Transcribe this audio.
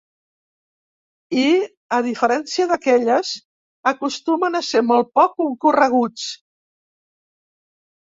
I, a diferència d'aquelles, acostumen a ser molt poc concorreguts.